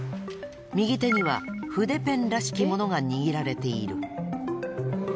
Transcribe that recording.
右手には筆ペンらしきものが握られている。